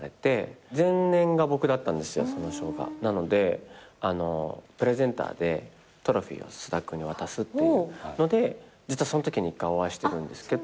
なのでプレゼンターでトロフィーを菅田君に渡すっていうので実はそのときに一回お会いしてるんですけど。